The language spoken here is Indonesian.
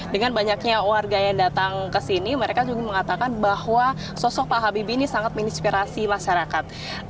dengan banyaknya warga yang datang ke sini mereka juga mengatakan bahwa sosok pak habibie ini sangat menginspirasi masyarakat